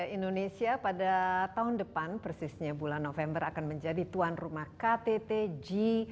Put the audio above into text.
indonesia pada tahun depan persisnya bulan november akan menjadi tuan rumah ktt g dua puluh